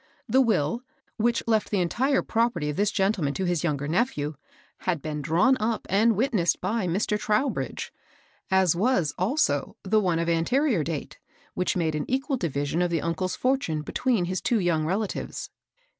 The will, which left the entire property of this gentleman to his younger nephew, had been drawn up and witnessed by Mr. Trowbridge, as was, also, the one of an^ LAW AND JUSTICE. 417 terior date, which made an equal division of the uncle's fortune between his two young relatives.